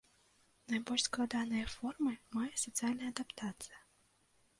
Найбольш складаныя формы мае сацыяльная адаптацыя.